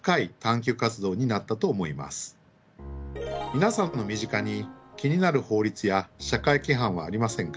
皆さんの身近に気になる法律や社会規範はありませんか？